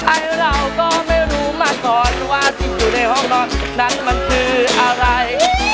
ไอ้เราก็ไม่รู้มาก่อนว่าที่อยู่ในห้องนอนนั้นมันคืออะไร